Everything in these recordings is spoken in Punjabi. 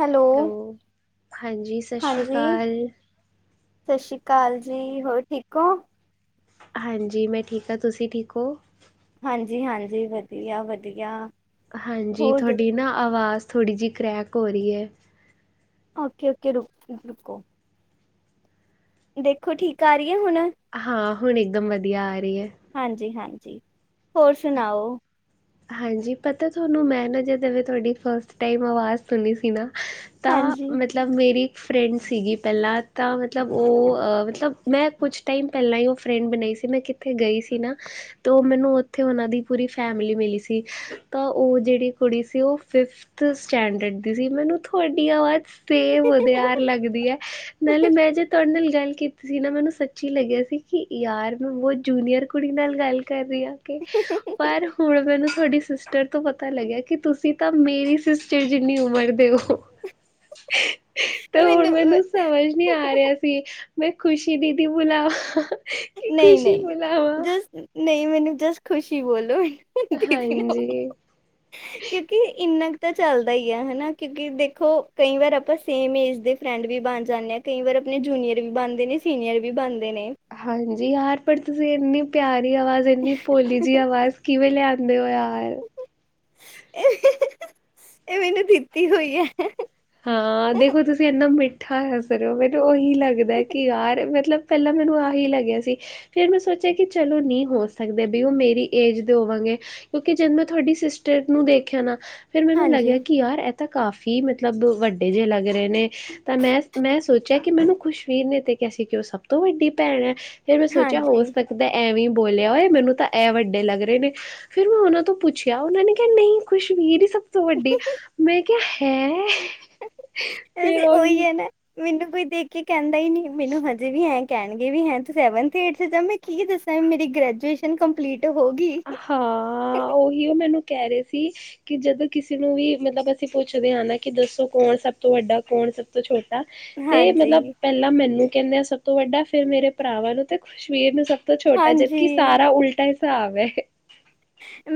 ਹੈਲੋ। ਹਾਂਜੀ, ਸਤਿ ਸ਼੍ਰੀ ਹਾਂਜੀ ਅਕਾਲ। ਸਤਿ ਸ੍ਰੀ ਅਕਾਲ ਜੀ, ਹੋਰ ਠੀਕ ਹੋ। ਹਾਂਜੀ, ਮੈਂ ਠੀਕ ਹਾਂ ਤੁਸੀਂ ਠੀਕ ਹੋ। ਹਾਂਜੀ-ਹਾਂਜੀ, ਵਧੀਆ-ਵਧੀਆ! ਹਾਂਜੀ, ਤੁਹਾਡੀ ਨਾ ਆਵਾਜ਼ ਥੋੜ੍ਹੀ ਜਿਹੀ ਕਰ੍ਰੈਕ ਹੋ ਰਹੀ ਹੈ। ਓਕੇ -ਓਕੇ ਰੁਕੋ। ਦੇਖੋ ਠੀਕ ਆ ਰਹੀ। ਹੈ ਹੁਣ ਹਾਂ, ਹੁਣ ਇਕਦਮ ਵਧੀਆ ਆ ਰਹੀ ਹੈ। ਹਾਂਜੀ ਹਾਂਜੀ ਹੋਰ ਸੁਣਾਓ। ਹਾਂਜੀ ਪਤਾ ਤੁਹਾਨੂੰ ਮੈਂ ਨਾ ਜਦਵੇ ਤੁਹਾਡੀ ਫਸਟ ਟਾਈਮ ਆਵਾਜ਼ ਸੁਣੀ ਸੀ ਨਾ ਤਾਂ, ਹਾਂਜੀ ਮਤਲਬ ਮੇਰੀ- ਫਰੈਂਡ ਸੀਗੀ ਪਹਿਲਾਂ ਤਾਂ ਮਤਲਬ ਉਹ ਮਤਲਬ ਮੈਂ ਕੁਛ ਟਾਈਮ ਪਹਿਲਾਂ ਹੀ ਉਹ ਫਰੈਂਡ ਬਣਾਈ ਸੀ ਮੈਂ ਕਿੱਥੇ ਗਈ ਸੀ ਨਾ ਤਾਂ ਉਹ ਮੈਨੂੰ ਉੱਥੇ ਉਹਨਾਂ ਦੀ ਪੂਰੀ ਫੈਮਿਲੀ ਮਿਲੀ। ਸੀ ਤਾਂ ਉਹ ਜਿਹੜੀ ਕੁੜੀ ਸੀ ਉਹ ਫਿਫਥ ਸਟੈਂਡਰਡ ਦੀ ਸੀ, ਮੈਨੂੰ ਤੁਹਾਡੀ ਆਵਾਜ਼ ਸੇਵ ਉਦਿਆਰ ਲੱਗਦੀ ਹੈ, ਨਾਲੇ ਮੈਂ ਜੇ ਤੁਹਾਡੇ ਨਾਲ ਗੱਲ ਕੀਤੀ ਤੁਸੀਂ ਨਾ ਮੈਨੂੰ ਸੱਚੀ ਲੱਗਿਆ ਸੀ ਕਿ ਯਾਰ ਮੈਂ ਬਹੁਤ ਜੂਨੀਅਰ ਕੁੜੀ ਨਾਲ ਗੱਲ ਕਰ ਰਹੀ ਆ। ਪਰ ਹੁਣ ਮੈਨੂੰ। ਤੁਹਾਡੇ ਸਿਸਟਰ ਤੋਂ ਪਤਾ ਲੱਗਿਆ ਕਿ ਤੁਸੀਂ ਤਾਂ ਮੇਰੀ ਸਿਸਟਰ ਜਿੰਨੀ ਉਮਰ ਦੇ ਹੋ। ਤੇ ਹੁਣ ਮੈਨੂੰ ਸਮਝ ਨੀ ਆ ਰਿਹਾ ਸੀ। ਮੈਂ ਖੁਸ਼ੀ ਦੀਦੀ ਬੁਲਾ ਹਾ ਹਾ ਨਹੀਂ ਨਹੀਂ ਜ ਨਹੀਂ ਮੈਨੂੰ ਜਸ ਖੁਸ਼ੀ ਬੋਲੋ। ਹੁੰਦੀ ਦਿਨ ਹਾਂਜੀ। ਕਿਉਂਕਿ ਇੰਨਾ, ਤਾਂ ਚੱਲਦਾ ਹੀ ਆ ਹਨਾ ਕਿਉਂਕਿ ਦੇਖੋ ਕਈ ਵਾਰ ਆਪਾਂ ਸੇਮ ਏਜ ਦੇ ਫਰੈਂਡ ਵੀ ਬਣ ਜਾਂਦੇ ਹਾਂ ਕਈ ਵਾਰ ਆਪਣੇ ਜੂਨੀਅਰ ਵੀ ਬਣਦੇ ਨੇ ਸੀਨੀਅਰ ਵੀ ਬਣਦੇ। ਨੇ ਹਾਂਜੀ ਯਾਰ ਪਰ ਤੁਸੀਂ ਇੰਨੀ ਪਿਆਰ। ਆਵਾਜ਼ ਇੰਨੀ ਭੋਲੀ ਜਿਹੀ ਆਵਾਜ਼ ਕਿਵੇਂ ਲਿਆ? ਕਿੰਦੇਓ ਯਾਰ [inaudible] ਹਾ-ਹਾ ਇਹ ਮੈਨੂੰ ਦਿੱਤੀ ਹੋਈ ਏ। ਹਾਂ ਦੇਖੋ ਤੁਸੀਂ ਇੰਨਾ ਮਿੱਠਾ ਹੈ ਸਰ ਹੋ ਮੇਰੇ ਉਹੀ, ਇ ਲੱਗਦਾ ਕਿ ਯਾਰ ਮਤਲਬ, ਪਹਿਲਾਂ ਮੈਨੂੰ ਆਹੀ ਲੱਗਿਆ ਸੀ ਫਿਰ ਮੈਂ ਸੋਚਿਆ ਕਿ ਚਲੋ ਨਹੀਂ ਹੋ ਸਕਦਾ ਵੀ ਉਹ ਮੇਰੀ ਏਜ ਦੇ ਹੋਵਾਂਗੇ, ਕਿਉਂਕਿ ਜਦੋਂ ਮੈਂ ਤੁਹਾਡੀ ਸਿਸਟਰ ਨੂੰ ਦੇਖਿਆ ਨਾ। ਫੇਿਰ ਮੈਨੂੰ ਹਾਂਜੀ। ਲੱਗਿਆ ਕਿ ਯਾਰ ਤਾਂ ਕਾਫ਼ੀ ਮਤਲਬ ਮਤਲਬ ਵੱਡੇ ਜਿਹੇ ਲੱਗ ਰਹੇ ਨੇ ਤਾਂ ਮੈਂ ਮੈਂ ਸੋਚਿਆ ਕਿ ਮੈਨੂੰ ਖੁਸ਼ਵੀਰ ਨੇ ਤੇ ਕਿਹਾ ਸੀ ਕਿ ਉਹ ਸਭ ਤੋਂ ਵੱਡੀ ਭੈਣ ਹੈ। ਫਿਰ ਮੈਂ ਸੋਚਿਆ ਹਾਂਜੀ ਹੋ ਸਕਦਾ ਐਵੇਂ। ਬੋਲਿਆ ਹੋਏ ਮੈਨੂੰ ਤਾਂ ਇਹ ਵੱਡੇ ਲੱਗ ਰਹੇ ਨੇ। ਫਿਰ ਮੈਂ ਉਹਨਾਂ ਤੋਂ ਪੁੱਛਿਆ ਉਹਨਾਂ ਨੇ ਕਿਹਾ ਨਹੀਂ ਖੁਸ਼ਮੀੀਰ ਸਭ ਤੋਂ ਵੱਡੀ, ਮੈਂ ਕਿਹਾ ਹੈਂ। ਵੈਸੇ ਉਹੀ ਹੈ ਨਾ। ਮੈਨੂੰ ਕੋਈ ਦੇਖ ਕੇ ਕਹਿੰਦਾ ਹੀ ਨਹੀਂ ਮੈਨੂੰ ਹਜੇ ਵੀ ਹੈ ਕਹਿਣਗੇ ਵੀ ਹੈੂੰ ਸੈਵਥ ਏਥ ਜਾ ਮੈਂ ਕੀ ਦੱਸਾਂ ਮੇਰੀ ਗ੍ਰੈਜੂਏਸ਼ਨ ਕੰਪਲੀਟ। ਹੋ ਗਈ ਹਾਂ ਉਹੀ ਉਹ ਮੈਨੂੰ ਕਹਿ ਰਹੇ ਸੀ। ਸੀ ਕਿ ਜਦੋਂ ਕਿਸੇ ਨੂੰ ਵੀ ਮਤਲਬ ਅਸੀਂ ਪੁੱਛਦੇ ਹਾਂ ਨਾ ਕਿ ਦੱਸੋ ਕੌਣ ਸਭ ਤੋਂ ਵੱਡਾ ਕੌਣ ਸਭ ਤੋਂ ਛੋਟਾ? ਤੇ ਮਤਲਬ ਹਾਂਜੀ। ਪਹਿਲਾਂ ਮੈਨੂੰ, ਕਹਿੰਦੇ ਆ ਸਭ ਤੋਂ ਵੱਡਾ ਫੇਿਰ ਮੇਰੇ ਭਰਾਾਂ ਤੇ ਖੁਸ਼ਮੀਰ ਨੂੰ ਸਭ ਛੋਟਾ ਹਾਂਜੀ ਜਦਕਿ ਸਾਰਾ ਉਲਟਾ, ਸਵੇ [inaudible]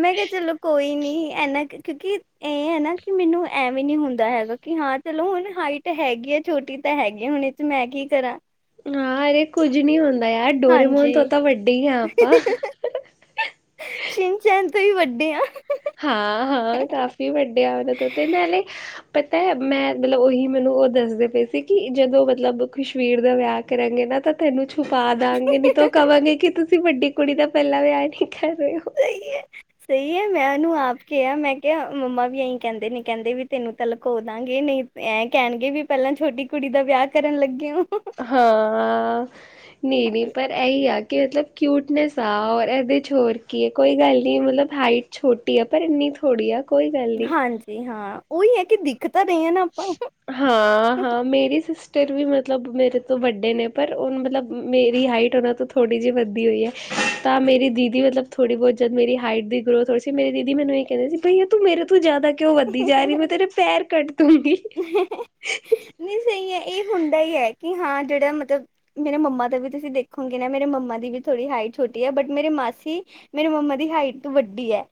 ਮੈਂ ਕਿਹਾ ਚਲੋ ਕੋਈ ਨੀ। ਇਹਨਾ ਕਿਉਂਕਿ ਇਹ ਹੈ ਨਾ ਕਿ ਮੈਨੂੰ ਐਵੇ ਵੀ ਨੀ ਹੁੰਦਾ ਹੈਗਾ ਕਿ ਹਾਂ ਚਲੋ ਹੁਣ ਹਾਈਟ ਹੈਗੀ ਆ ਛੋਟੀ ਤਾਂ ਹੈਗੀ ਹੁਣ ਇਹਦੇ ਚ ਮੈਂ ਕੀ ਕਰਾਂ? ਹਾਂ ਅਰੇ ਕੁੱਝ ਨੀ ਹੁੰਦਾ। ਮ ਯ ਡੋਰੇਮੋਨ ਤੋਂ ਹਾਂਜੀ ਤਾਂ ਵੱਡੇ ਹੀ ਆ ਆਪਾਂ ਹਾ ਹਾ । ਥ ਹੀ ਵੱਡੇ ਆਂ। ਹਾ ਹੀ ਹਾਂ, ਹਾਂ ਕਾਫੀ ਵੱਡੇ ਆ। ਉਦੇ ਤੋਂ ਤੇ ਨਾਲੇ ਪਤਾ ਮੈਂ ਉਹੀ ਮੈਨੂੰ ਉਹ ਦੱਸਦੇ ਪਏ ਸੀ। ਕਿ ਜਦੋਂ ਮਤਲਬ ਕਸ਼ਮੀਰ ਦਾ ਵਿਆਹ ਕਰਾਂਗੇ ਨਾ ਤਾਂ ਤੈਨੂੰ- ਬਫਾ ਦਾਂਗੇ ਨਹੀ ਤੋ ਕਵਾਂਗੇ ਕਿ ਤੁਸੀਂ? ਤੁਸੀਂ ਵੱਡੀ ਕੁੜੀ ਦਾ ਪਹਿਲਾ ਵਿਆਹ ਏ ਠੀਕ ਕਰ ਰਹੇ ਹੋ। ਸਹੀ ਹੈ, ਸਹੀ ਹੈ। ਮੈਂ ਉਹਨੂੰ ਆਪ ਕੇ ਆ ਮੈਂ ਕਿਹਾ, ਮੰਮਾ ਵੀ ਇਹੀ ਕਹਿੰਦੇ ਨੇ ਕਹਿੰਦੇ ਵੀ ਤੈਨੂੰ ਤਾਂ ਲੁਕੋ ਦਾਂਗੇ, ਨਹੀਂ ਏ ਕਹਿਣਗੇ ਵੀ ਪਹਿਲਾਂ ਛੋਟੀ ਕੁੜੀ ਦਾ ਵਿਆਹ ਕਰਨ ਲੱਗੇ ਓ। ਹਾਂ, ਨਹੀਂ ਨਹੀਂ ਪਰ ਇਹੀ ਆ ਕਿ ਮਤਲਬ ਕਿਊਟਨੈਸ ਆ, ਔਰ ਇਹਦੇ ਚ ਹੋਰ ਕੀ ਹੈ। ਕੋਈ ਗੱਲ ਨਹੀ ਮਤਲਬ ਹਾਈਟ ਛੋਟੀ ਆ ਪਰ ਇੰਨੀ ਥੋੜ੍ਹੀ ਆ। ਕੋਈ ਗੱਲ ਨਹੀਂ। ਹਾਂਜੀ, ਹਾਂ ਉਹੀ ਹੈ, ਕਿ ਦਿੱਕਤ ਹਾਂ, ਹਾਂ ਮੇਰੀ ਸਿਸਟਰ ਫਿਰ ਵੀ ਮਤਲਬ ਮੇਰੇ ਤੋਂ ਵੱਡੇ ਨੇ ਪਰ ਹੁਣ ਮਤਲਬ ਮੇਰੀ ਹਾਈਟ ਉਹਨਾਂ ਤੋਂ ਥੋੜ੍ਹੀ ਜਿਹੀ ਵੱਦੀ ਹੋਈ ਹੈ, ਤਾਂ ਮੇਰੀ ਦੀਦੀ ਮਤਲਬ ਥੋੜ੍ਹੀ ਬਹੁਤ ਜਦ ਮੇਰੀ ਹਾਈਟ ਦੀ ਗਰੋਥ ਹੋ ਰਹੀ ਸੀ। ਮੇਰੀ ਦੀਦੀ ਮੈਨੂੰ ਇਹ ਕਹਿੰਦੇ ਸੀ। ਬਈਆ ਤੂੰ ਮੇਰੇ ਤੋਂ ਜ਼ਿਆਦਾ- ਕਿਉਂ ਵੱਧੀ ਜਾ ਰਹੀ, ਮੈਂ ਤੇਰੇ ਪੈਰ ਕੱਟ ਦੂੰਗੀ। ਨਹੀਂ ਸਹੀ ਹੈ। ਇਹ ਹੁੰਦਾ ਹੀ ਹੈ। ਕਿ ਹਾਂ ਜਿਹੜਾ ਮਤਲਬ ਮੇਰੇ ਮੰਮਾ ਦਾ ਵੀ ਤੁਸੀਂ ਦੇਖੋਗੇ ਨਾ, ਮੇਰੇ ਮੰਮਾ ਦੀ ਵੀ ਥੋੜ੍ਹੀ ਹਾਈਟ ਛੋਟੀ ਹੈ। ਬਟ ਮੇਰੇ ਮਾਸੀ ਮੇਰੇ ਮੰਮਾ ਦੀ ਹਾਈਟ ਤੋਂ ਵੱਡੀ ਹੈ।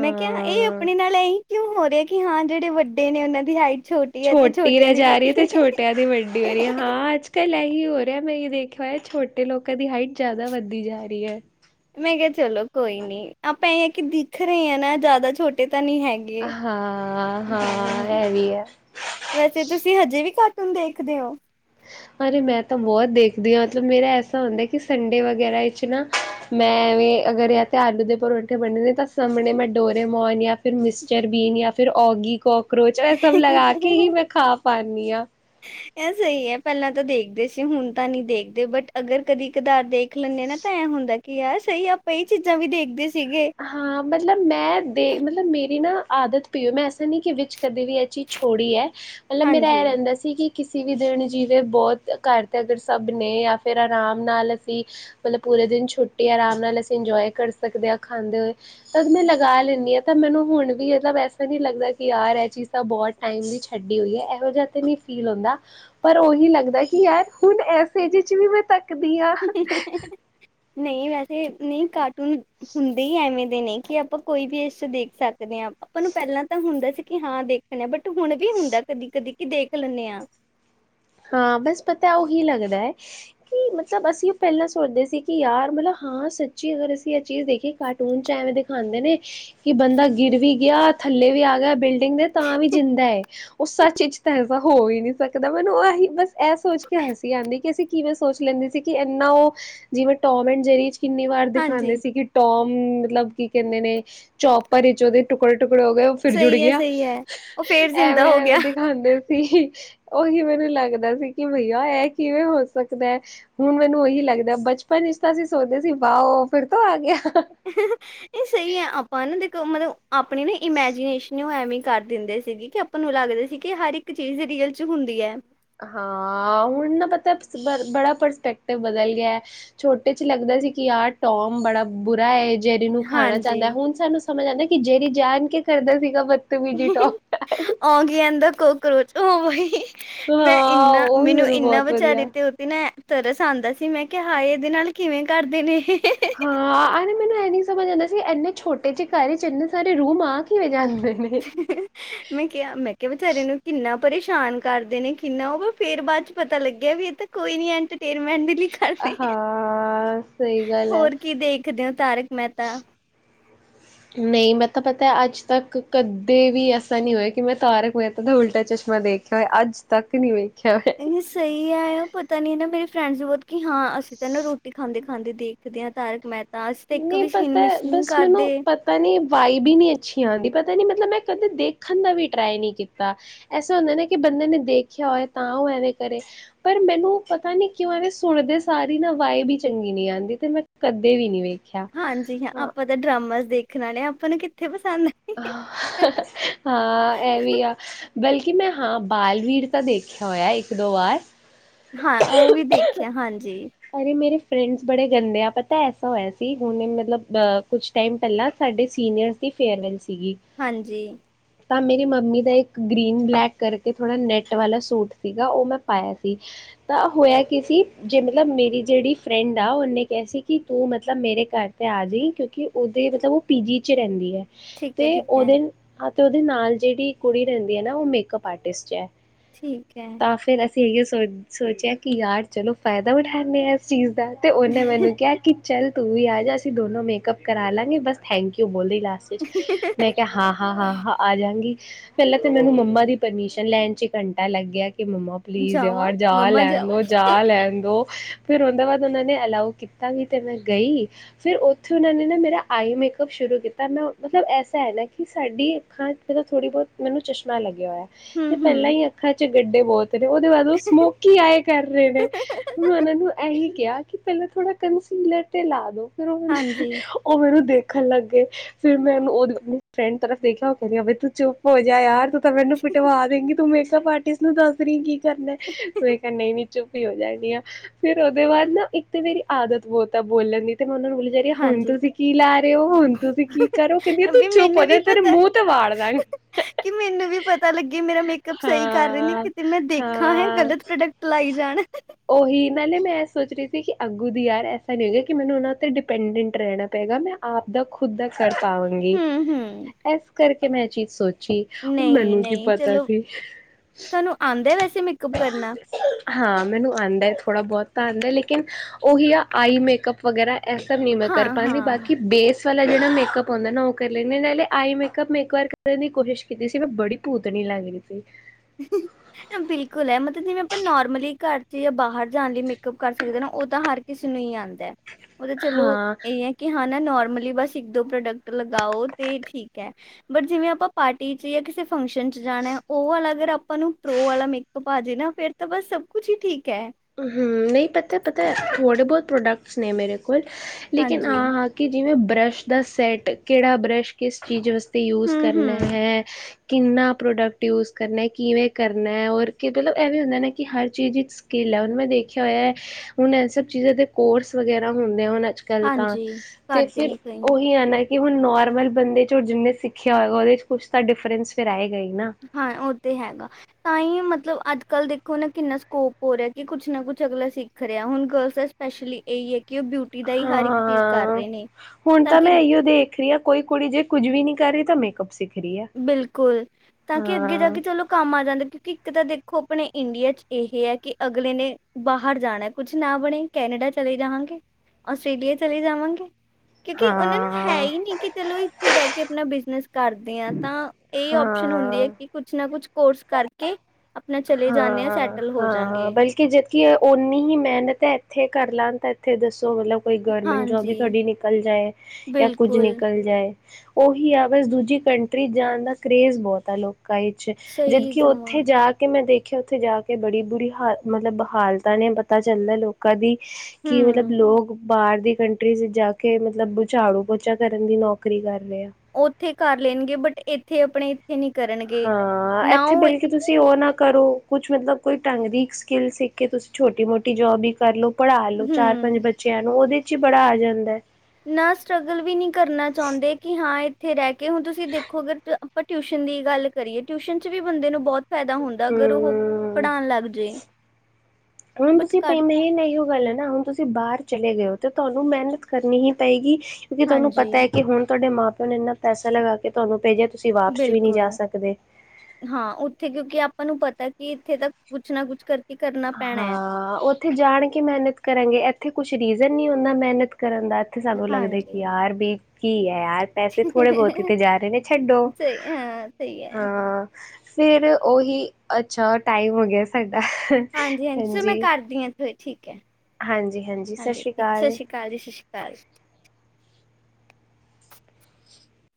ਮੈਂ ਕਿਹਾ ਇਹ ਆਪਣੇ ਨਾਲ ਐਈ ਕਿਉਂ ਹੋ ਰਿਹਾ, ਕਿ ਹਾਂ ਜਿਹੜੇ ਵੱਡੇ ਨੇ ਉਹਨਾਂ ਦੀ ਹਾਈਟ ਹੈ ਤੇ ਛੋਟੀ ਛੋਟਿਆਂ ਰਹਿ ਦੀ ਜਾ ਰਹੀ ਹੈ, ਤੇ ਵੱਡੀ ਛੋਟਿਆਂ ਦੀ ਵੱਡੀ ਹੋ ਰਹੀ ਹੈ। ਹਾਂ ਅੱਜ ਕੱਲ ਇਹੀ ਹੋ ਰਿਹਾ। ਮੈਂ ਇਹ ਦੇਖਿਆ, ਛੋਟੇ ਲੋਕਾਂ ਦੀ ਹਾਈਟ ਜਿਆਦਾ ਵੱਧਦੀ ਜਾ ਰਹੀ ਹੈ। ਮੈਂ ਕਿਹਾ ਚਲੋ ਕੋਈ ਨੀ, ਆਪਾਂ ਇਹ ਹੈ। ਕਿ ਦਿਖ ਰਹੇ ਹਾਂ, ਨਾ ਜ਼ਿਆਦਾ ਛੋਟੇ ਤਾਂ ਨਹੀਂ ਹੈਗੇ, ਹਾਂ ਹਾਂ ਹੂੰ ਇਹ ਵੀ ਹੈ। ਵੈਸੇ ਤੁਸੀਂ ਹਜੇ ਵੀ ਕਟ ਤੁਮ ਦੇਖਦੇ ਹੋ? ਅਰੇ ਮੈਂ ਤਾਂ ਬਹੁਤ ਦੇਖਦੀ ਹਾਂ। ਮਤਲਬ ਮੇਰਾ ਐਸਾ ਹੁੰਦਾ। ਕਿ ਸੰਡੇ ਵਗੈਰਾ ਵਿੱਚ ਨਾ ਮੈਂ ਐਵੇਂ ਅਗਰ ਯਾ ਤਾਂ ਆਲੂ ਦੇ ਪਰੋਂਠੇ ਬਣੇਨੇ, ਤਾਂ ਸਾਹਮਣੇ ਮੈਂ ਡੋਰੇ ਮੋਨ ਜਾਂ ਫਿਰ, ਮਿਸਚਰ ਬੀਨ ਜਾਂ ਫਿਰ ਓਗੀ ਕੋਕ ਕਰੋਚ ਇਹ ਸਭ ਲਗਾ, ਕੇ ਹੀ ਮੈਂ ਖਾ ਪਾਣੀ ਆਂ। ਇਹ ਸਹੀ ਹੈ। ਪਹਿਲਾਂ ਤਾਂ ਦੇਖਦੇ ਸੀ, ਹੁਣ ਤਾਂ ਨਹੀਂ ਦੇਖਦੇ। ਬਟ ਅਗਰ ਕਦੀ ਕਧਾਰ ਦੇਖ ਲੈਂਦੇ ਨਾ ਤਾਂ ਐ ਹੁੰਦਾ। ਕਿ ਯਾਰ ਸਹੀ ਆਪਾਂ ਇਹ ਚੀਜ਼ਾਂ ਵੀ ਦੇਖਦੇ ਸੀ। ਹਾਂ, ਮਤਲਬ ਮੈਂ ਦੇ ਮਤਲਬ ਮੇਰੀ ਨਾ ਆਦਤ ਪੀਓ। ਮੈਂ ਐਸਾ ਨਹੀਂ, ਕਿ ਵਿੱਚ ਕਦੇ ਵੀ ਇਹ ਚੀਜ਼ ਛੋੜੀ ਹੈ। ਮਤਲਬ ਮੇਰਾ ਇਹ ਹਾਂਜੀ। ਰਹਿੰਦਾ ਸੀ। ਕਿ ਕਿਸੀ ਵੀ ਦਿਨ, ਜਿਵੇਂ ਬਹੁਤ ਘਰ 'ਤੇ ਅਗਰ ਸਭ ਨੇ, ਜਾਂ ਫਿਰ ਆਰਾਮ ਨਾਲ ਅਸੀਂ ਮਤਲਬ ਪੂਰੇ ਦਿਨ ਛੁੱਟੀ ਆਰਾਮ ਨਾਲ ਅਸੀਂ ਇੰਜੋਏ ਕਰ ਸਕਦੇ ਹਾਂ। ਖਾਂਦੇ ਹੋਏ ਤਧ ਮੈਂ ਲਗਾ ਲੈਂਣੀ ਹਾਂ।'ਤਾਂ ਮੈਨੂੰ ਹੁਣ ਵੀ ਮਤਲਬ ਐਸਾ ਨਹੀਂ ਲੱਗਦਾ। ਕਿ ਯਾਰ ਇਹ ਚੀਜ਼ ਤਾਂ ਬਹੁਤ ਟਾਈਮ ਦੀ ਛੱਡੀ ਹੋਈ ਹੈ। ਇਹੋ ਜਿਹਾ ਤੇ ਨਹੀਂ ਫੀਲ ਹੁੰਦਾ। ਪਰ ਉਹੀ ਲੱਗਦਾ। ਕਿ ਯਾਰ ਹੁਣ ਇਸ ਏਜ ਵੀ ਮੈਂ' ਤ ਕਦੀਆਂ ਨਹੀਂ, ਵੈਸੇ ਨਹੀਂ ਕਾਰਟੂਨ ਹੁੰਦੇ ਹੀ, ਐਵੇਂ ਦੇ ਨੇ ਕਿ ਆਪਾਂ ਕੋਈ ਵੀ ਇਸ ਚ ਦੇਖ ਸਕਦੇ। ਕਦੇ ਆਪਾਂ ਨੂੰ ਪਹਿਲਾਂ ਤਾਂ ਹੁੰਦਾ ਸੀ। ਕਿ, ਹਾਂ ਦੇਖਣੇ ਆ ਬਟ 'ਤੇ ਹੁਣ ਵੀ ਹੁੰਦਾ ਕਦੀ- ਕਦੀ ਕਿ ਦੇਖ ਲੈਂਦੇ ਹਾਂ। ਹਾਂ ਬਸ ਪਤਾ ਉਹੀ ਲੱਗਦਾ ਹੈ। ਕਿ ਮਤਲਬ ਅਸੀਂ ਉਹ ਪਹਿਲਾਂ ਸੋਚਦੇ ਸੀ। ਕਿ ਯਾਰ ਮਤਲਬ, ਹਾਂ ਸੱਚੀ ਅਗਰ ਅਸੀਂ ਇਹ ਚੀਜ਼ ਦੇਖੀ ਕਾਰਟੂਨ ਚ ਐਵੇਂ ਦਿਖਾਉਂਦੇ ਨੇ। ਕਿ ਬੰਦਾ ਗਿਰ ਵੀ ਗਿਆ, ਥੱਲੇ ਵੀ ਆ ਗਿਆ। ਬਿਲ ਏ, ਤਾਂ ਵੀ ਜਿੰਦਾ ਏ ਉਹ ਸੱਚ ਇਹ ਹੋ ਹੀ ਨਹੀਂੀ ਸਕਦਾ ਮੈਨੂੰ ਉਹ ਹੀ ਬਸ ਇਹ ਸੋਚ ਕੇ ਹਸੀ ਆਉਂਦੀ ਕਿ ਅਸੀਂ ਕਿਵੇਂ ਸੋਚ ਲੈਂਦੀ ਸੀ ਕਿ ਇੰਨਾ ਉਹ ਜਿਵੇਂ ਟੋਮਟ ਜਰੀ ਕਿੰਨੀ ਵਾਰ ਹਾਂਜੀ। ਦਿਖਾਉਂਦੇ ਸੀ ਕਿ ਟੋਮ ਮਤਲਬ ਕੀ ਕਹਿੰਦੇ ਨੇ ਚੌਪਰ ਚ ਉਹਦੇ ਟੁਕੜ ਟੁਕੜ ਹੋ ਗਏ ਉਹ ਫਿਰ ਜੁੜ ਸਹੀ ਹੈ, ਗਿਆ ਸਹੀ ਹੈ। ਉਹ ਫੇਰ ਜ਼ਿੰਦਾ ਹੋ ਗਿਆ। ਐਵੇਂ-ਐਵੇਂ ਦਿਖਾਉਂਦੇ ਉਹੀ ਮੈਨੂੰ ਲੱਗ ਲੱਦਾ ਸੀ ਕਿ ਭਈਆ ਇਹ ਕਿਵੇਂ ਹੋ ਸਕਦਾ ਹੈ ਹੁਣ ਮੈਨੂੰ ਉਹੀ ਲੱਗਦਾ ਬਚਪਨ ਵਿੱਚ ਤਾਂ ਅਸੀਂ ਸੋਚਦੇ ਸੀ ਵਾਹ ਫਿਰ ਤੋਂ ਆ ਗਿਆ ਇਹ ਸਹੀ ਹੈ ਆਪਾਂਨੂੰ ਦੇ ਮਤਲਬ ਆਪਣੀ ਨਾ ਇਮੈਜੀਨੇਸ਼ਨ ਐਵੇਂ ਕਰ ਦਿੰਦੇ ਸੀਗੇ ਕਿ ਆਪਾਂ ਨੂੰ ਲੱਗਦੇ ਸੀ ਕਿ ਹਰ ਇੱਕ ਚੀਜ਼ ਰੀਅਲ ਚ ਹੁੰਦੀ ਹੈ ਹਾਂ ਹੁਣ ਨਾ ਪਤਾ ਬੜਾ ਪਰਸਪੈਕਟਿਵ ਬਦਲ ਗਿਆ ਛੋਟੇ ਚ ਲੱਗਦਾ ਸੀ ਕਿ ਯਾਰ ਟੋਮ ਬੜਾ ਬੁਰਾ ਹੈ ਜੈਰੀ ਨੂੰ ਖਾਣਾ ਹਾਂਜੀ, ਚਾਹੁੰਦਾ ਹੁਣ ਸਾਨੂੰ ਸਮਝ ਆਂਦਾ ਕਿ ਜੈਰੀ ਜਾਣ ਕੇ ਕਰਦਾ ਸੀਗਾ ਬਦਤਮੀਜੀ ਟੋਮ ਨਾਲ ਓਗੇ ਐਂਡ ਥਾ ਕਾਕਰੋਚ ਉਹਓ ਮੈਂ ਹਾਂ ਇੰਨਾ ਉਹ ਮੈਨੂੰ ਇੰਨਾ ਬਹੁਤ ਵਿਚਾਰੇ ਵਧੀਆ ਤੇ ਉਹਦੇ ਨਾ ਤਰਸ ਅਦਾ ਸੀ ਮੈਂ ਕਿਹਾ ਇਹਦੇ ਨਾਲ ਕਿਵੇਂ ਕਰਦੇ ਨੇ ਹਾਂ ਮੈਨੂੰ ਇਹ ਨੀ ਸਮਝ ਆਉਂਦਾ ਸੀ ਇੰਨੇ ਛੋਟੇ ਚਿ ਘਰੇ ਚ ਇੰਨੇ ਸਾਰੇ ਰੂਮ ਆ ਕਿਵੇਂ ਜਾਂਦੇ ਨੇ। ਮੈਂ ਕਿਹਾ ਮੈਂ ਕਿਹਾ ਵਿਚਾਰੇ ਨੂੰ ਕਿੰਨਾ ਪਰੇਸ਼ਾਨ ਕਰਦੇ ਨੇ ਕਿੰਨਾ ਉਹ ਫੇਰ ਬਾਅਦ ਚ ਪਤਾ ਲੱਗਿਆ ਵੀ ਇਹ ਤਾਂ ਕੋਈ ਨੀ ਐੰਟਰਟੇਨਮੈਂਟ ਦੇ ਕਰਦੇ। ਹਾਂ ਸਹੀ ਗੱਲ ਹੈ ਹੋਰ ਕੀ ਦੇਖਦੇ ਹੋ ਤਾਰਕ ਮਹਿਤਾ? ਨਹੀਂ ਮੈਂ ਤਾਂ ਪਤਾ ਅੱਜ ਤੱਕ ਕਦੇ ਵੀ ਐਸਾ ਨਹੀਂ ਹੋਇਆ ਕਿ ਮੈਂ ਤਾਰਕ ਮੇਤਾ ਦਾ ਉਲਟਾ ਚਸ਼ਮਾ ਦੇਖਿਆ ਹੋਇਆ ਅੱਜ ਤੱਕ ਨਹੀਂ ਵੇਖਿਆ ਮੈਂ ਸਹੀ ਆ ਪਤਾ ਨੀ ਨਾ ਮੇਰੀ ਫਰੈਂਡਸ ਬਹੁ ਕਿ ਹਾਂ ਅਸੀਂ ਤਾਂ ਨਾੂੰ ਰੋਟੀ ਖਾਂਦੇ ਖਾਂਦੇ ਦੇਖਦੇ ਹਾਂ ਤਾਰਕ ਮੇਹਤਾ ਨਹੀਂ ਪਤਾ ਬਸ ਮੈਨੂੰ ਪਤਾ ਨੀ ਵਾਈਬੀ ਨੀ ਅੱਛੀ ਆਦੀ ਪਤਾ ਪਤਾ ਨੀ ਮਤਲਬ ਮੈਂ ਕਦੇ ਦੇਖਣ ਦਾ ਵੀ ਟਰਾਈ ਨਹੀਂ ਕੀਤਾ ਐਸਾ ਹੁੰਦਾ ਨਾ ਕਿ ਬੰਦੇ ਨੇ ਦੇਖਿਆ ਹੋਏ ਤਾਂ ਉਹ ਐਵੇਂ ਕਰੇ ਪਰ ਮੈਨੂੰ ਪਤਾ ਨੀ ਕਿਉਂ ਐਵੇਂ ਸੁਣਦੇ ਸਾਰੀ ਨਾ ਵਾਏਬ ਵੀ ਚੰਗੀ ਨੀ ਆਉਂਦੀ ਤੇ ਮੈਂ ਕਦੇ ਵੀ ਨਹੀਂੀ ਵੇਖ ਹਾਂਜੀ ਹਾਂ ਆਪਾਂ ਤਾਂ ਡਰਾਮਾ ਦੇਖ ਦੇਖਣਾ ਨੇ ਆਪਾਂ ਨੂੰ ਕਿੱਥੇ ਪਸੰਦ ਹਾਂ ਇਹ ਵੀ ਆ ਬਲਕ ਕਿ ਮੈਂ ਹਾਂ ਬਾਲ ਵੀਰ ਤਾਂ ਦੇਖਿਆ ਹੋਇਆ ਇੱਕ ਦੋ ਵਾਰ ਹਾਂ ਉਹ ਵੀ ਦੇਖਿਆ ਹਾਂਜੀ ਅਰੇ ਮੇਰੇ ਫਰੈਂਡਸ ਬੜੇ ਗੰਦੇ ਆ ਪਤਾ ਐਸਾ ਹੋਇਆ ਸੀ ਹੁਣ ਮਤਲੱਬ ਕੁਛ ਟਾਈਮ ਪਹਿਲਾਂ ਸਾਡੇ ਸੀਨੀਅਰਸ ਦੀ ਫੇਅਰਵੈੱਲ ਸੀ ਹਾਂਜੀ ਤਾਂ ਮੇਰੀ ਮੰਮੀ ਦਾ ਇੱਕ ਗ੍ਰੀਨ ਬਲੈਕ ਕਰਕੇ ਥੋੜ੍ਹਾ ਨੈਟ ਵਾਲਾ ਸੂਟ ਸੀਗਾ ਉਹ ਮੈਂ ਪਾਇਆ ਸੀ ਤਾਂ ਹੋਇਆ ਕੀ ਸੀ ਜਿਵੇਂ ਮੱਤਲਬ ਮੇਰੀ ਜਿਹੜੀ ਫਰੈਂਡ ਆ ਉਹਨੇ ਕਿਹਾ ਸੀ ਕਿ ਤੂੰ ਮੱਤਲਬ ਮੇਰੇ ਘਰ 'ਤੇ ਆ ਜਾਈ ਕਿਉਂਕਿ ਉਹਦੇ ਮੱਤਲਬ ਉਹ ਪੀ ਜੀ 'ਚ ਰਹਿੰਦੀ ਹੈ ਠੀਕ ਹੈ ਤੇ ਠੀਕ ਉਹ ਹੈ। ਦਿਨ ਅਤੇ ਉਹਦੇ ਨਾਲ ਜਿਹੜੀ ਕੁੱੜੀ ਰਹਿੰਦੀ ਹੈ ਨਾ ਉਹ ਮੇਕਅਪ ਆਰਟਿਸਟ ਹੈ ਠੀਕ ਹੈ ਤਾਂ ਫਿਰ ਅਸੀਂ ਇ ਸੋਚ ਸੋਚਿਆ ਕਿ ਯਾਰ ਚਲੋ ਫਾਇਦਾ ਬੇਠ ਆਦੇਂ ਹਾਂ ਇਸ ਚੀਜ਼ ਤੇ ਉਹਨੇ ਮੈਨੂੰ ਕਿਹਾ ਕਿ ਚੱਲ ਤੂੰ ਵੀ ਆ ਜਾ ਅਸੀਂ ਦੋਨੋਂ ਮੇਕਅਪ ਕਰਾ ਲਾਂਗੇ ਬਸ ਥੈਂਕ ਯੂ ਬੋਲੀ ਕਲਾਸ ਵਿੱਚ ਮੈਂ ਕਿਹਾ ਹਾਂ ਹਾਂ ਹਾਂ ਹਾਂ ਆ ਜਾਗੀ ਪਹਿਲਾਂ ਤੇ ਮੈਨੂੰ ਮੰਮਾ ਦੀ ਪਰਮਿਸ਼ਨ ਲੈਣ ਚ ਘੰਟਾ ਲੱਗ ਗਿਆ ਕਿ ਮੰਮਾ ਪਲੀਜ਼ ਜਾਵਾਂ ਯਾਰ ਜਾ ਮੰਮਾ ਲੈਣ ਜਾਓ ਦਿਉ ਜਾ ਲੈਣ ਫਿਰ ਉਹਦਾ ਬਾਅਦ ਉਹਨਾਂ ਨੇ ਅਲਾਓ ਕੀਤਾ ਵੀ ਤੇ ਮੈਂ ਗਈ ਫਿਰ ਉੱਥੇ ਉਹਨਾਂ ਨੇ ਨਾ ਮੇਰਾ ਆਈ ਮੇਕਅਪ ਸ਼ੁਰੂ ਕੀਤਾ ਮੈਂ ਮਤਲੱਬ ਐਸਾ ਹੈ ਨਾ ਕਿ ਸਾਡੀ ਅੱਖਾਂ ਚ ਮਲਬ ਥੋੜ੍ਹੀ ਬਹੁਤ ਮੈਨੂੰ ਚਸ਼ਮਾ ਲੱਗਿਆ ਹੋਇਆ ਹੂੰ ਤੇ ਪਹਿਲਾਂ ਹੂੰ ਹੀ ਅੱਖਾਂ ਗੱਡੇ ਬਹੁਤ ਤੇ ਉਹਦੇ ਬਾਅਦ ਉਹ ਸਮੋਕੀ ਆਏ ਕਰ ਰਹੇ ਨੇ ਮੈਂ ਉਹਨਾਂ ਨੂੰ ਇਹੀ ਕਿਹਾ ਕਿ ਪਹਿਲਾਂ ਥੋੜਾ ਕੰਸੀਲਰ ਤੇ ਲਾ ਦੋ ਫਿਰ ਉਹ ਹਾਂਜੀ ਉਹ ਮੈਨੂੰ ਦੇਖ ਰੱਖਣ ਲੱਗੇ ਫਿਰ ਮੈਂ ਉਹਨੂੰ ਆਪਣੀ ਫਰੈਂਡ ਤਰਫ ਦੇਖਿਆ ਉਹ ਕਹਿੰਦੀ ਤੂੰ ਚੁੱਪ ਹੋ ਜਾ ਯਾਰ ਮੈਨੂੰ ਪਿਟਵਾ ਦੇਂਗੀ ਤੂੰ ਮੇ ਆਰਟਿਸਟ ਨੂੰ ਦੱਸ ਰਹੀ ਕੀ ਕਰਨਾ ਮ ਕਰ ਨੀ ਚੁੱਪ ਹੀ ਹੋ ਜਾਂਦੀ ਆ ਫਿਰ ਉਹਦੇ ਬਾਅਦ ਨਾ ਇੱਕ ਤੇ ਮੇਰੀ ਆਦਤ ਬਹੁਤ ਆ ਬੋਲਣ ਦੀ ਤੇ ਮੈਂ ਉਹਨਾਂ ਨੂੰ ਬੋਲੀ ਜਾ ਰਹੀ ਹੁਣ ਹਾਂਜੀ ਤੁਸੀਂ ਕੀ ਲਾ ਰਹੇ ਹੋ ਹੁਣ ਤੁਸੀਂ ਕੀ ਕਰੋ ਕਹਿੰਦੀ ਤੂੰ ਵੀ ਚੁੱਪ ਹੋ ਮੈਨੂੰ ਵੀ ਜਾ ਤੇਰੇ ਪੱਤਾ ਮੂੰਹ ਤੇ ਵਾੜ ਦਾਂਗੀ। ਕੀ ਮੈਨੂੰ ਵੀ ਪੱਤਾ ਲੱਗੇ ਮੇਰਾ ਮੇਕਅੱਪ ਸਹੀ ਕਰ ਰਹੇ ਨੇ ਹਾਂ, ਕਿਤੇ ਮੈਂ ਦੇਖਾਂ ਹੈ ਹਾਂ ਗਲਤ ਪ੍ਰੋਡਕਟ ਲਾਈ ਜਾਣ ਹੀ ਨਾਲੇ ਮੈਂ ਇਹ ਸੋਚ ਰਹੀ ਸੀ ਕਿ ਅੱਗੂ ਦੀ ਯਾਰ ਐਸਾ ਨਹੀਂ ਹੋਏਗਾ ਕਿ ਮੈਨੂੰ ਉਹਨਾਂ ਉੱਤੇ ਡਿਪੈਂਡੈਂਟ ਰਹਿਣਾ ਪਏਗਾ ਮੈਂ ਆਪ ਦਾ ਖੁਦ ਦਾ ਕਰ ਪਾਵਾਂਗੀ ਹੂੰ ਹੂੰ ਇਸ ਕਰਕੇ ਕਿ ਮੈਂ ਇਹ ਚੀਜ਼ ਸੋਚ ਉਹ ਨਹੀਂ ਮੈਨੂੰ ਕੀ ਨਹੀਂ ਪਤਾ ਚਲੋ ਸੀ ਤੁਹਾਨੂੰ ਆਉਂਦਾ ਵੈਸੇ ਮੇਕਅਪ ਕਰਨਾ ਹਾਂ ਮੈਨੂੰ ਆਂ ਬਹੁਤ ਧਨਦੇ ਲੇਕਿਨ ਉਹੀ ਆ ਆਈ ਮੇਕਅੱਪ ਵਗੈਰਾ ਇਹ ਸਭ ਨਹੀਂ ਮੈਂ ਹਾਂ ਕਰ ਪਾਂਦੀ ਹਾਂ ਬਾਕੀ ਬੇਸ ਇਸ ਵਾਲ ਜਿਹੜਾ ਮੇਕਅੱਪ ਹੁੰਦਾ ਨਾ ਉਹ ਕਰ ਲੈਂਦੇਲੇ ਆਈ ਮੇਕਅੱਪ ਮੇ ਵ ਕਰਨ ਦੀ ਕੋਸ਼ਿਸ਼ ਕੀਤੀ ਸੀ ਮੈਂ ਬੜੀ ਭੂਤੱਣੀ ਲੱਗ ਰਹੀ ਸੀ ਬਿਲਕੁੱਲ ਐ ਮਤਲਬ ਜਿਵੇਂ ਆਪਾਂ ਨੋਰਮਲੀ ਘਰ ਚ ਜਾਂ ਬਾਹਰ ਜਾਣ ਲਈ ਮੇਕਅਪ ਕਰ ਸਕਦੇ ਨਾ ਓ ਤਾਂ ਹਰ ਕਿਸ ਨੂੰ ਈ ਆਂਦੈ ਓ ਤਾਂ ਚਲੋ ਹਾਂ ਏ ਐ ਕਿ ਹਾਂ ਨਾ ਨੋਰਮਲੀ ਬਸ ਇੱਕ ਦੋ ਪ੍ਰੋਡਕਟ ਲਗਾਓ ਤੇ ਠੀਕ ਐ ਬਟ ਜਿਵੇਂ ਆਪਾਂ ਪਾਰਟੀ ਚ ਯਾ ਕਿਸੇ ਫ ਫੰਕਸ਼ਨ ਚ ਜਾਣਾ ਓ ਆਲਾ ਨੂੰ ਪ੍ਰੋ ਆਲਾ ਮੇਕਅਪ ਆਜੇ ਨਾ ਫੇਰ ਤਾਂ ਬਸ ਸਭ ਕੁੱਛ ਈ ਠੀਕ ਹੈ ਹੂੰ ਨਈ ਪਤਾ-ਪਤਾ ਥੋੜੇ ਬਹੁਤ ਪ੍ਰੋਡਕਟਸ ਨੇ ਮੇਰੇ ਕੋਲ ਲੇਕਿਨ ਹਾਂਜੀ ਹਾਂ ਹਾਂ ਕਿ ਜਿਵੇਂ ਬਰੱਸ਼ ਦਾ ਸੈਟ ਕਿਹੜਾ ਬਰੱਸ਼ ਕਿਸ ਚੀਜ਼ ਵਸ ਤੇ ਯੂਜ ਕਰਨਾ ਹੂੰ-ਹੂੰ ਹੈ ਕਿੰਨਾ ਪ੍ਰੋਡਕਟ ਯੂਜ ਕਰਨਾ ਕਿਵੇਂ ਕਰਨਾ ਔਰ ਕੀ ਮਤਲਬ ਐਵੇਂ ਹੁੰਦਾ ਨਾ ਕੀ ਹਰ ਚੀਜ਼ ਵਿੱਚ ਕਿਲ ਐ ਹੁਣ ਮੈਂ ਦੇਖਿਆ ਹੋਇਆ ਐ ਹੁਣ ਐ ਸਭ ਚੀਜ਼ਾਂ ਦੇ ਕੋਰਸ ਵਗੈਰਾ ਹੁੰਦੇ ਹੁਣ ਅੱਜ ਕੱਲ ਤਾਂ ਹਾਂਜੀ ਤੇ ਕਰਦੇ ਫਿਰ ਨੀ ਕਈ ਓਹੀ ਐ ਨਾ ਕੀ ਹੁਣ ਨੋਰਮਲ ਬੰਦੇ ਚੋਂ ਜਿੰਨੇ ਸਿੱਖਿਆ ਹੋਏਗਾ ਓਦੇ ਚ ਕੁੱਛ ਤਾਂ ਡਿਫਰੈਂਸ ਫਿਰ ਆਏ ਹਾਂ, ਓ ਤੇ ਹੈਗਾ ਤਾਂ ਈ ਮਤਲਬ ਅੱਦ ਕੱਲ੍ਹ ਦੇਖੋ ਨਾ ਕਿੰਨਾ ਸਕੋਪ ਹੋ ਰਿਆ ਕਿ ਕੁੱਛ ਨਾ ਕੁੱਛ ਅਗਲਾ ਸਿੱਖ ਰਿਆ ਹੁਣ ਗਰਲਸ ਦਾ ਸਪੈਸ਼ਲੀ ਏਈ ਐ ਹਾਂ, ਹੁਣ ਤਾਂ ਮੈਂ ਏਈਓ ਦੇਖ ਰੀ ਆ ਕੋਈ ਕੁੜੀ ਜੇ ਕੁੱਝ ਵੀ ਨੀ ਕਰ ਰੀ ਤਾਂ ਮੇਕਅਪ ਸਿ ਬਿਲਕੁੱਲ ਤਾਂ ਕੇ ਅੱਗੇ ਜਾ ਕੇ ਚਲੋ ਕੰਮ ਆ ਜਾਂਦਾ ਕਿਉਂਕਿ ਇੱਕ ਤਾਂ ਦੇ ਖੋ ਆਪਣੇ ਇੰਡੀਆ ਚ ਇਹ ਹੈ ਕਿ ਅਗਲੇ ਨੇ ਬਾਹਰ ਜਾਣਾ ਕੁੱਛ ਨਾ ਬਣੇ ਕੈਨੇਡਾ ਚਲੇ ਜਾਵਾਂਗੇ ਆਸਟ੍ਰੇਲੀਆ ਚਲੇ ਜਾਵਾਂਗੇ। ਕਿਉਂਕਿ ਉਨਾਂ ਨੂੰ ਹੈ ਹਾਂ, ਈ ਨੀ ਕਿ ਚਲੋ ਇੱਥੇ ਰਹਿ ਕੇ ਆਪਣਾ ਬਿਜਨਸ ਕਰਦੇ ਆ। ਤਾਂ, ਏ ਆਪਸ਼ਨ ਹੁੰਦੀ ਐ ਹਾਂ। ਕੀ ਕੁੱਛ ਨਾ ਕੁੱਛ ਕੋਰਸ ਕਰਕੇ ਆਪਣਾ ਚਲੇ ਜਾਂਦੇ ਆ ਸੈਟਲ ਹੋ ਜਾਾਂਗੇ ਹਾਂ-ਹਾਂ-ਹਾਂ, ਬਲਕੀ ਜਦ ਕਿ ਏ ਓਨੀ ਈ ਮਿਹਨਤ ਐ ਐਥੇ ਕਰ ਲਾਣ ਤਾਂ ਏਥੇ ਦੱਸੋ ਸੋ ਮਤਲਬ ਕੋਈ ਗਵਰਮੈਂਟ ਜੋਬ ਹਾਂਜੀ ਵੀ ਤੁਹਾਡੀ ਨਿਕਲ ਜਾਏ ਜਾਂ ਕੁਝ ਬਿਲਕੁਲ ਨਿਕਲ ਜਾਏ। ਓਹੀ ਆ ਬਸ ਦੂਜੀ ਕੰਟਰੀ ਜਾਣ ਦਾ ਕਰੇਜ਼ ਬਹੁਤ ਆ ਲੋਕ ਕਾ ਇਚ, ਸਹੀ ਜਦਕੀ ਜਮਾ ਉੱਥੇ ਜਾ ਮੈਂ ਦੇਖਿਆ ਉੱਥੇ ਜਾ ਕੇ ਬੜੀ ਬੁਰੀ ਹਾਲ ਮਤਲਬ ਹਾਲਤਾਂ ਨੇ ਪਤਾ ਚੱਲਦਾ ਲੋਕਾਂ ਦੀ ਕੀ ਮਤਲਬ ਹੂੰ ਲੋਕ ਬਾਰ ਦੀ ਕੰਟਰੀਜ਼ ਜਾ ਕੇ ਮਤਲਬ ਝਾੜੂ ਪੋਚਾ ਕਰਨ ਦੀ ਨੌਕਰੀ ਕਰ ਰਹੇ ਆ ਉੱਥੇ ਕਰ ਲੈਨਗੇ ਬਟ ਇੱਥੇ ਅਪਨੇ [unintelligible] ਹਾਂ, ਏਥੇ ਬਲਕੀ ਤੁਸੀਂ ਉਹ ਨਾ ਕਰੋ ਕੁਛ ਮਤਲਬ ਕੋਈ ਢੰਗ ਦੀ ਸਕਿੱਲ ਸਿੱਖ ਕੇ ਤੁਸੀਂ ਛੋਟੀ ਮੋਟੀ ਜੋਬ ਵੀ ਕਰ ਲਓ। ਪੜ੍ਹਾ ਲੋ ਚਾਰ ਪੰਜ ਹੂੰ ਬੱਚਿਆਂ ਨੂੰ ਉਹਦੇ ਵਿੱਚ ਬੜਾ ਆ ਜਾਂਦੇ। ਨਾ ਸਟਰ੍ਰਗਲ ਵੀ ਨਹੀਂ ਕਰਨਾ ਚਾਹੁੰਦੇ ਕਿ ਹਾਂ ਇੱਥੇ ਰਹਿ ਕੇ, ਹੁਣ ਤੁਸੀਂ ਦੇਖੋ ਅਗਰ ਆਪਾਂ ਟਿਊਸ਼ਨ ਦੀ ਗੱਲ ਕਰੀਏ ਟਿਊਸ਼ਨ ਚ ਵੀ ਬੰਦੇ ਨੂੰ ਬਹੁਤ ਫਾਇਦਾ ਹੁੰਦਾ ਅਗਰ ਉਹ ਹਮ ਪੜ੍ਹਾਣ ਲੱਗ ਜੇ ਹੁਣ ਬਟ ਤੁਸੀਂ ਘ ਮੇਨ ਇਹੋ ਗੱਲ ਹੈ ਨਾ ਹੁਨ ਤੁਸੀਂ ਬਾਹਰ ਚਲੇ ਗਏ ਹੋ ਤੇ ਤੁਹਾਨੂੰ ਮਿਹਨਤ ਕਰਨੀ ਹੀ ਪਏਗੀ। ਕਿਉਂਕਿ ਤੁਹਾਨੂੰ ਹਾਂਜੀ ਪਤਾ ਹੈ ਕਿ ਹੁਣ ਤੁਹਾਡੇ ਮਾਂ ਹੁਨ ਇੰਨਾ ਪੈਸਾ ਲਗਾ ਕੇ ਤੁਹਾਨੂੰ ਭੇਜੇ ਬਿਲਕੁਲ ਹਾਂ ਉੱਥੇ ਕਿਉਂਕਿ ਆਪ ਆਪਾਂ ਨੂੰ ਪਤਾ ਕਿ ਇੱਥੇ ਤ ਕੁੱਛ ਨਾ ਕੁੱਛ ਕਰ ਹਾਂ ਉੱਥੇ ਜਾਣ ਕੇ ਮਿਹਨਤ ਕਰਾਂਗੇ ਇੱਥੇ ਕੁਛ ਰੀਜ਼ਨ ਨਹੀਂ ਹੁੰਦਾ ਮਿਹਨਤ ਕਰਨ ਦਾ ਇੱਥੇ ਸਾਨੂੰ ਲੱਗਦਾ ਕਿ ਹਾਂਜੀ ਯਾਰ ਵੀ ਕੀ ਹੈ ਯਾਰ ਪੈਸੇ ਥੋੜੇ ਬਹੁਤੀ ਤੇ ਜਾ ਰਹੇ ਨੇ ਛੱਡੋ, ਸਹੀ ਹਾਂ ਸਹੀ ਹੈ ਹਾਂ ਫਿਰ ਉਹੀ ਅੱਛਾ ਟਾਈਮ ਹੋ ਗਿਆ ਸਾਡਾ ਹਾਂਜੀ ਹਾਂਜੀ ਸੋ ਮੈਂ ਕਰਦੀ ਹਾਂ ਹੋਰ ਠੀਕ ਹੈ ਹਾਂਜੀ ਸਤਿ ਹਾਂਜੀ ਸ਼੍ਰੀ ਠੀ ਅਕਾਲ ਸ਼ਸ਼ੀ ਕਾਲ ਜੀ ਸ਼ਸ਼ੀ ਕਾਲ